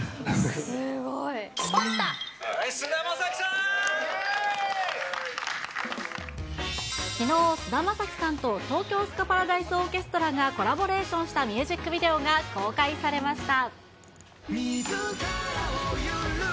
はい、きのう、菅田将暉さんと東京スカパラダイスオーケストラがコラボレーションしたミュージックビデオが公開されました。